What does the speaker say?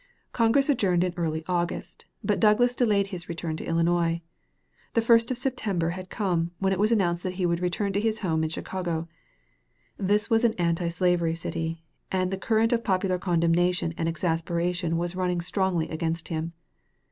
Congress adjourned early in August, but Douglas delayed his return to Illinois. The 1st of September had come, when it was announced he would return to his home in Chicago. This was an anti slavery city, and the current of popular condemnation and exasperation was running strongly against him.